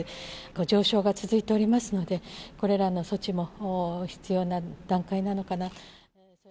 上昇が続いておりますので、これらの措置も必要な段階なのかな。